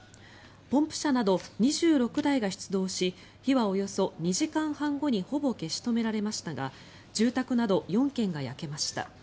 ポンプ車など２６台が出動し火はおよそ２時間半後にほぼ消し止められましたが住宅など４軒が焼けました。